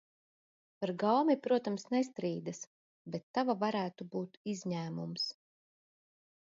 Par gaumi, protams, nestrīdas, bet tava varētu būt izņēmums.